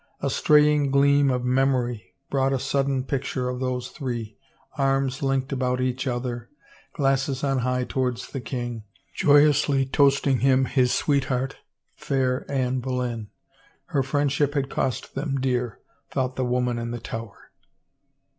A straying gleam of memory brought a sudden picture of those three, arms linked about each other, glasses on high to wards the king, joyously toasting with him his sweet heart, fair Anne Boleyn. Her friendship had cost them dear, thought the woman in the Tower.